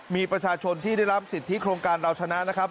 มีประชาชนที่ได้รับสิทธิโครงการเราชนะนะครับ